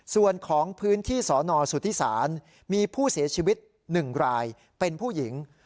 ส่วนของพื้นที่สนสุธิศาลมีผู้เสียชีวิต๑รายเป็นผู้หญิง